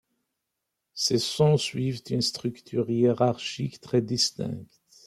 Ces sons suivent une structure hiérarchique très distincte.